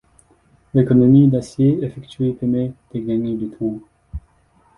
L'économie d'acier effectuée permet de gagner du temps.